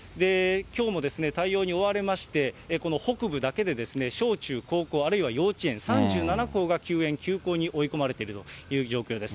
きょうも対応に追われまして、この北部だけで小中高校、あるいは幼稚園３７校が休園、休校に追い込まれているということです。